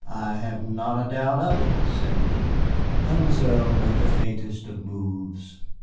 "I have not a doubt of it," said Nick. Mademoiselle made the faintest of moues.